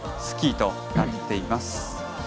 スキーとなっています。